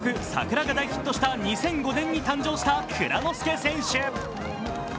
代表曲「さくら」が大ヒットした２００５年に誕生した蔵之介選手。